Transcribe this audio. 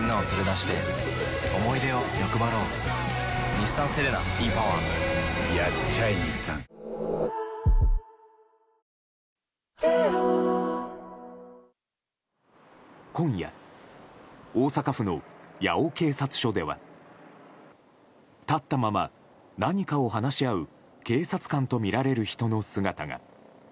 有刺鉄線のついた高さおよそ２ｍの門を今夜大阪府の八尾警察署では立ったまま、何かを話し合う警察官とみられる人の姿が。